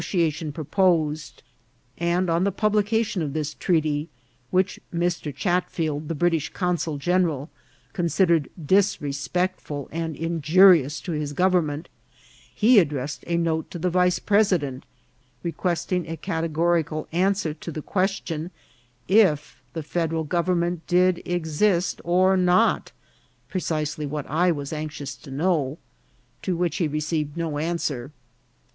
49 tiation proposed ; and on the publication of this trea ty, which Mr. Chatfield, the British consul general, con sidered disrespectful and injurious to his government, he addressed a note to the vice president, requesting a categorical answer to the question " if the Federal Government did exist or not" (precisely what I was anxious to know) ; to which he received no answer.